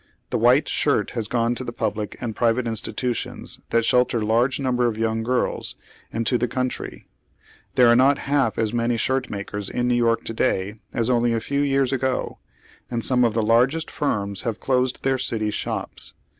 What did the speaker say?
The white shirt has gone to the public and private institntions that shelter laj ge nnm bera of young girls, and to the country. There are not half as many shirtmakei'S in 'Sew York to day as only a few years ago, and some of the largest firms have closed their city shops.